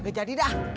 gak jadi dah